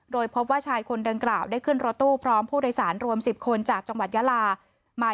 โดยพบว่าชายคนดังกล่าวได้ขึ้นรถตู้พร้อมผู้โดยสารรวม๑๐คนจากจังหวัดยาลามา